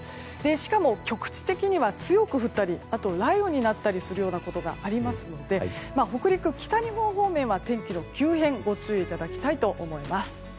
しかも、局地的には強く降ったりあと雷雨になったりするようなことがありますので北陸、北日本方面は天気の急変にご注意いただきたいと思います。